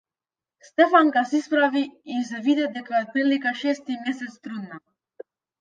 Стефанка се исправи и се виде дека е отприлика шести месец трудна.